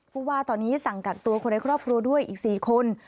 ว่าตอนนี้สั่งกักตัวคนในครอบครัวด้วยอีก๔คน